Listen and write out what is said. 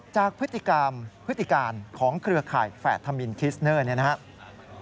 จากพฤติการของเครือขายแฝดธามินคิสเนอร์นี่นะครับ